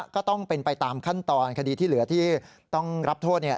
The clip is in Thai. ก็ต้องเป็นไปตามขั้นตอนคดีที่เหลือที่ต้องรับโทษ